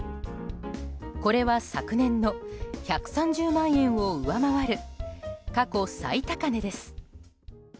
これは昨年の１３０万円を上回る過去最高値です。